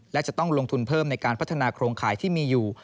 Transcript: และจะต้องลงทุนเพิ่มในการพัฒนาโครงข่ายที่มีอยู่